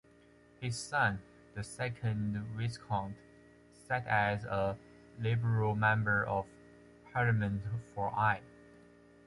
His son, the second Viscount, sat as a Liberal Member of Parliament for Eye.